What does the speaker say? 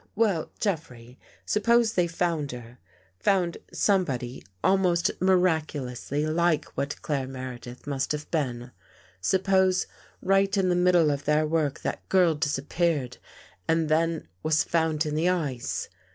Well, Jeffrey, suppose they found her — found somebody almost miraculously like what Claire Meredith must have been. Suppose right in the middle of their work that girl disappeared and then was found in the ice.